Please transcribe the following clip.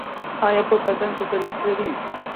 ایا په بدن کې فلز لرئ؟